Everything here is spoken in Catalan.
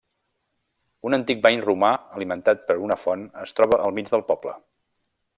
Un antic bany romà alimentat per una font es troba al mig del poble.